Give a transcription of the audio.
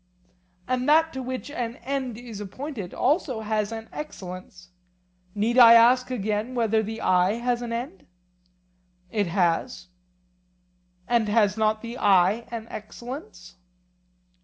And that to which an end is appointed has also an excellence? Need I ask again whether the eye has an end? It has. And has not the eye an excellence?